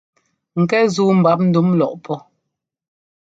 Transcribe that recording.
Ŋkɛ́ zúu mbap ndúm lɔʼpɔ́.